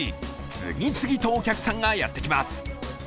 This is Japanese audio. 次々とお客さんがやってきます。